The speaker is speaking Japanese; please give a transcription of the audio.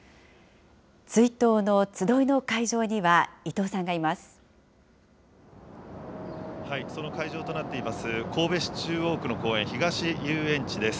追悼のつどいの会場には、その会場となっています、神戸市中央区の公園、東遊園地です。